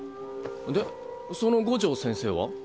でその五条先生は？